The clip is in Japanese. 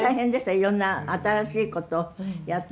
いろんな新しいことをやって。